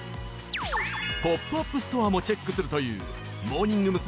ポップアップストアもチェックするというモーニング娘。